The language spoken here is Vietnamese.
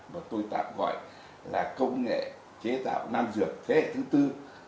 mà tôi tạm gọi là công nghệ chế tạo nam dược thế hệ thứ tư